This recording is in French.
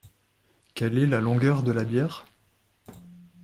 Quelle est la longueur de la bière?